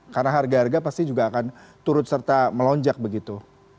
karena harga harga pasti juga akan turut serta melonjak begitu